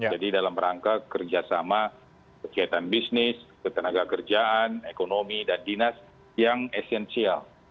jadi dalam rangka kerjasama kegiatan bisnis ketenaga kerjaan ekonomi dan dinas yang esensial